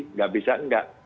tidak bisa enggak